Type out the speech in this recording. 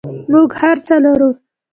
موږ هر څه لرو